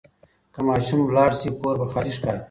که ماشوم لاړ شي، کور به خالي ښکاري.